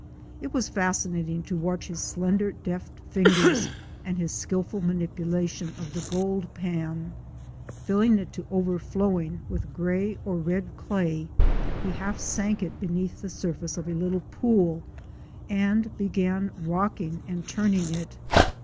It was fascinating to watch his slender deft fingers and his skilful manipulation of the gold pan. Filling it to over flowing with gray or red clay, he half sank it beneath the surface of a little pool and began rocking and turning it.